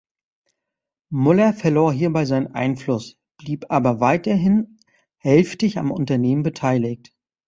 Muller verlor hierbei seinen Einfluss, blieb aber weiterhin hälftig am Unternehmen beteiligt.